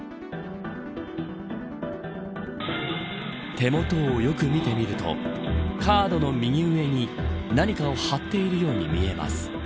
手元をよく見てみるとカードの右上に何かを貼っているように見えます。